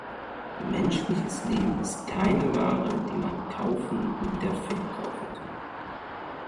Menschliches Leben ist keine Ware, die man kaufen und wieder verkaufen kann.